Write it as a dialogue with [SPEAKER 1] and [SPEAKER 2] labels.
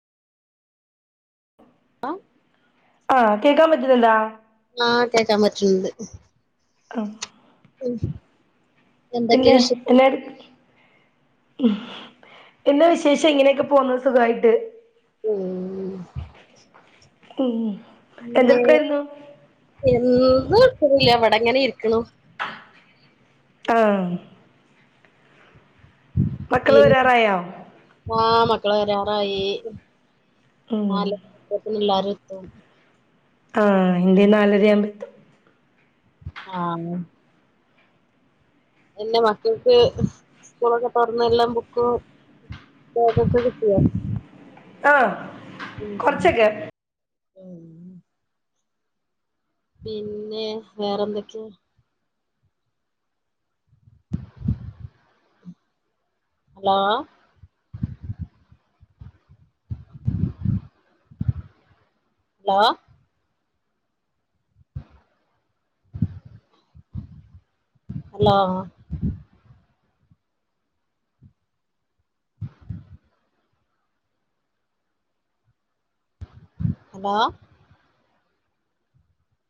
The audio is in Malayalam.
[SPEAKER 1] ആഹ്
[SPEAKER 2] ആഹ് കേക്കാൻ പറ്റുന്ന്ണ്ടാ?
[SPEAKER 1] ആഹ് കേക്കാൻ പറ്റ്ൺണ്ട്
[SPEAKER 2] [unintelligible]
[SPEAKER 1] [unintelligible] എന്തൊക്കെയ
[SPEAKER 2] പിന്നേ
[SPEAKER 1] വിശേ
[SPEAKER 2] എന്നാട്ക്ക് ഉം എന്നാ വിശേഷം ഇങ്ങനെയൊക്കെ പോകുന്നു സുഖവായിട്ട്.
[SPEAKER 1] ഉം.
[SPEAKER 2] മ്ം.
[SPEAKER 1] മ്മേ എന്തുട്ക്ക്ണില്ല, ഇവ്ടെ ങ്ങനെ ഇരിക്ക്ണു.
[SPEAKER 2] ആഹ് മക്കള്
[SPEAKER 1] പിന്നെ
[SPEAKER 2] വരാറായോ?
[SPEAKER 1] ആഹ് മക്കള് വരാറായി,
[SPEAKER 2] ഉം
[SPEAKER 1] നാലേ [inaudible] എല്ലാരും എത്തും.
[SPEAKER 2] ആഹ് ഇന്റെയ്ംനാലരയാവുമ്പെത്തും.
[SPEAKER 1] ആഹ്. എന്റെ മക്കക്ക് സ്കൂളൊക്കെ തുറന്ന് എല്ലാം ബുക്കും [inaudible] കിട്ടിയോ?
[SPEAKER 2] ആഹ്
[SPEAKER 1] ഉം
[SPEAKER 2] കൊർച്ചൊക്കെ.
[SPEAKER 1] ഉം. പിന്നെ വേറെന്തൊക്കെയാ? ഹലോ. Hello hello. ഹലോ.